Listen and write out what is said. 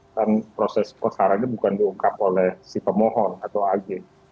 dan proses kosarannya bukan diungkap oleh si pemohon atau ag